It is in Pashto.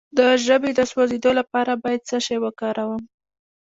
د ژبې د سوځیدو لپاره باید څه شی وکاروم؟